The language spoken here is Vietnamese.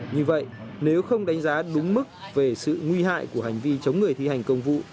như vậy nếu không đánh giá đúng mức về sự nguy hại của hành vi chống người thi hành công vụ